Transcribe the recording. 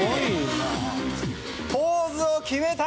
ポーズを決めた！